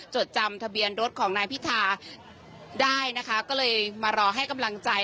จดจำทะเบียนรถของนายพิธาได้นะคะก็เลยมารอให้กำลังใจ